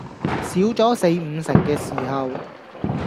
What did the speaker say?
少咗四五成嘅時候